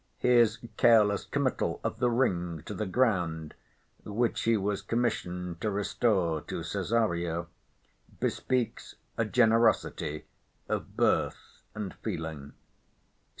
His careless committal of the ring to the ground (which he was commissioned to restore to Cesario), bespeaks a generosity of birth and feeling.